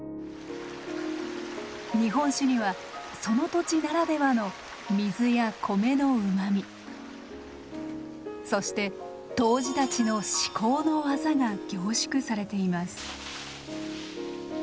日本酒にはその土地ならではの水や米のうまみそして杜氏たちの至高の技が凝縮されています。